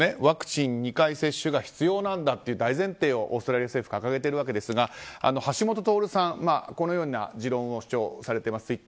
ワクチン２回接種が必要なんだという大前提をオーストラリア政府は掲げているわけですが橋下徹さん、このような主張をされています。